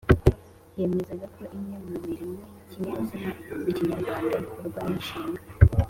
yemezaga ko imwe mu murimo y’ikinyazina mu kinyarwanda ikorwa n’inshinga